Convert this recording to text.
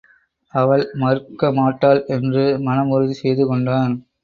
அவள் மறுக்க மாட்டாள் என்று மனம் உறுதி செய்து கொண்டான்.